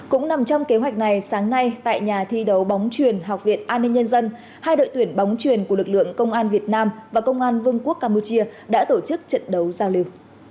cũng nằm trong kế hoạch này sáng nay tại nhà thi đấu bóng truyền học viện an ninh nhân dân hai đội tuyển bóng truyền của lực lượng công an việt nam và công an vương quốc campuchia đã tổ chức trận đấu giao lưu